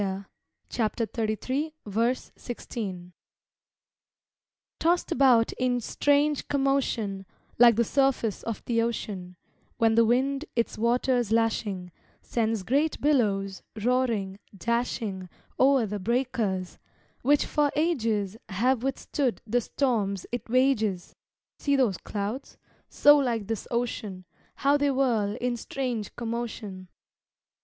"HE SHALL DWELL ON HIGH" (Isaiah 33:16) Tossed about in strange commotion Like the surface of the ocean When the wind, its waters lashing, Sends great billows, roaring, dashing O'er the breakers, which for ages Have withstood the storms it wages, See those clouds, so like this ocean, How they whirl in strange commotion.